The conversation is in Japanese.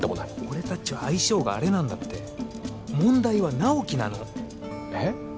俺達は相性があれなんだって問題は直木なのえっ？